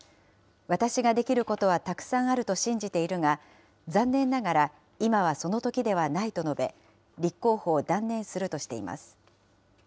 私ができることはたくさんあると信じているが、残念ながら今はそのときではないと述べ、立候補を断念するとしています。